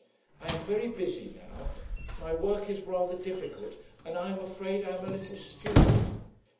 I am very busy now. My work is rather difficult and I am afraid I am a little stupid.